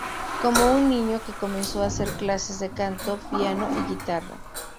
Como un niño que comenzó a hacer clases de canto, piano y guitarra.